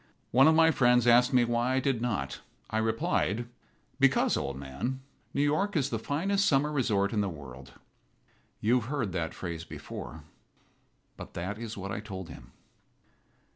One of my friends asked me why I did not. I replied: "Because, old man, New York is the finest summer resort in the world." You have heard that phrase before. But that is what I told him.